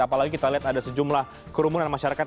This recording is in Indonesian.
apalagi kita lihat ada sejumlah kerumunan masyarakat